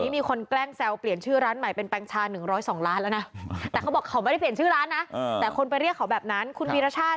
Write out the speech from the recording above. มันลำบากออกอะไรก็เอากลับไม่ได้